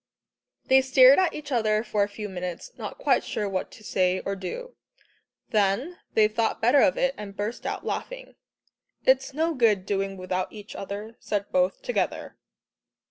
They stared at each other for a few minutes, not quite sure what to say or do. Then they thought better of it and burst out laughing. "It's no good doing without each other," said both together.